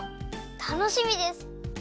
たのしみです！